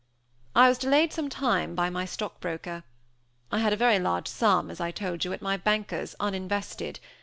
I was delayed some time by my stockbroker. I had a very large sum, as I told you, at my banker's, uninvested.